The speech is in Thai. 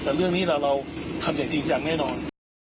แต่เรื่องนี้เราทำอย่างจริงจังแน่นอน